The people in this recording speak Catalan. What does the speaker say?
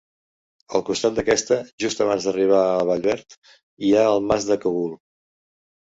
Al costat d'aquesta, just abans d'arribar a Vallverd, hi ha el mas de Cogul.